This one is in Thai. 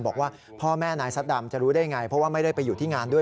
บอกว่าพ่อแม่นายซัดดำจะรู้ได้ไงเพราะว่าไม่ได้ไปอยู่ที่งานด้วย